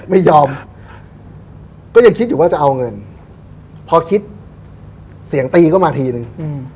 ไม่ยอมก็ยังคิดอยู่ว่าจะเอาเงินพอคิดเสียงตีเข้ามาทีนึง